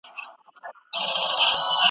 ددې بدو ورځو کلونه کیږي